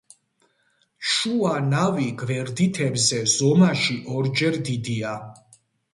შუა ნავი გვერდითებზე ზომაში ორჯერ დიდია.